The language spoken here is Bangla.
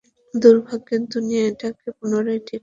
দুর্ভাগ্যের দুনিয়া এটাকে পুনরায় ঠিক করতে সাহায্য করেছে।